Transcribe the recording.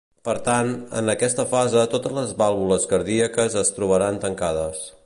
Per tant, en aquesta fase totes les vàlvules cardíaques es trobaran tancades.